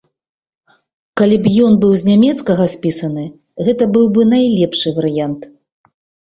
Калі б ён быў з нямецкага спісаны, гэта быў бы найлепшы варыянт.